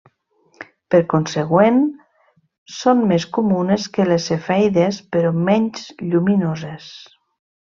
Per consegüent, són més comunes que les cefeides, però menys lluminoses.